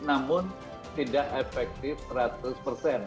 namun tidak efektif seratus persen